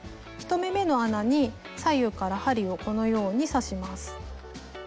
１目めの穴に左右から針をこのように刺します。